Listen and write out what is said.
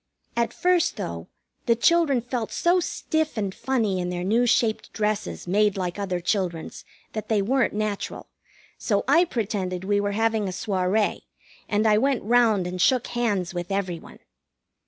At first, though, the children felt so stiff and funny in their new shaped dresses made like other children's that they weren't natural, so I pretended we were having a soirée, and I went round and shook hands with every one.